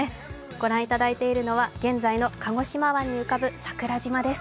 御覧いただいているのは現在の鹿児島湾に浮かぶ桜島です。